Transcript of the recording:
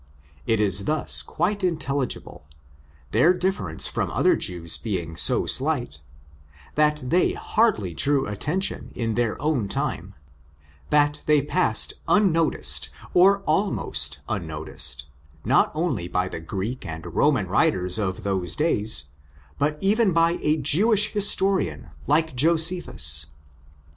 It is thus quite intelligible—their difference from other Jews being so slight—that they hardly drew attention in their own time ; that they passed unnoticed, or almost unnoticed, not only by the Greek and Roman writers of those days, but even by a Jewish historian like Josephus.